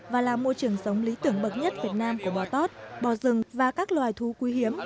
và là môi trường sống lý tưởng bậc nhất việt nam của bò tót bò rừng và các loài thú quý hiếm